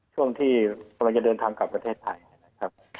ช่วงที่กำลังจะเดินทางกลับประเทศไทยนะครับ